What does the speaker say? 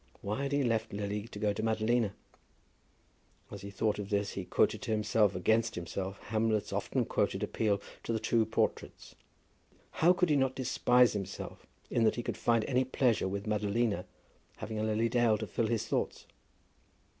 Why had he left Lily to go to Madalina? As he thought of this he quoted to himself against himself Hamlet's often quoted appeal to the two portraits. How could he not despise himself in that he could find any pleasure with Madalina, having a Lily Dale to fill his thoughts?